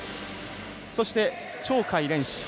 そして、鳥海連志。